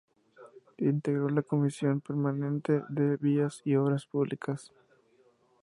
Integró la Comisión Permanente de Vías y Obras Públicas.